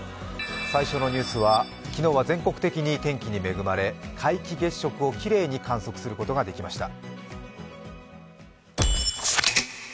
最初のニュースは、昨日は全国的に天気に恵まれ皆既月食をきれいに観測することができました。